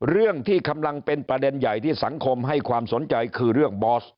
เรื่องที่กำลังเป็นประเด็นใหญ่ที่สังคมให้ความสนใจคือเรื่องบอส